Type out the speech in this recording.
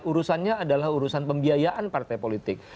urusannya adalah urusan pembiayaan partai politik